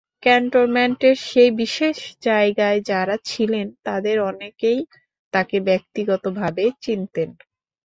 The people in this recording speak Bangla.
ক্যান্টনমেন্টের সেই বিশেষ জায়গায় যাঁরা ছিলেন, তাঁদের অনেকেই তাঁকে ব্যক্তিগতভাবে চিনতেন।